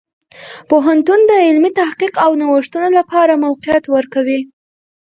پوهنتون د علمي تحقیق او نوښتونو لپاره موقعیت ورکوي.